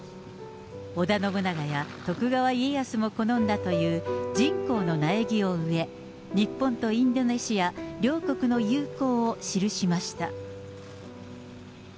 織田信長や徳川家康も好んだというジンコウの苗木を植え、日本とインドネシア、両国の友好を記しました。